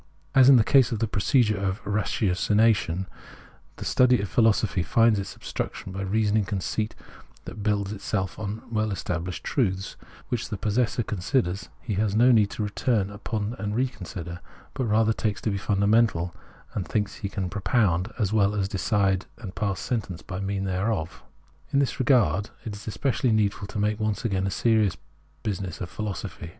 As in the case of the procedure of ratiocination, the study of philosophy finds obstruction, too, in the un VOL. I.— F 66 Phenomenology of Mind reasoning conceit that builds itself on well established truths, which the possessor considers he has no need to return upon and reconsider, but rather takes to be fundamental, and thinks he can propound as well as decide and pass sentence by means thereof. In this regard, it is especially needful to make once again a serious business of philosophy.